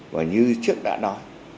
và như trước đã nói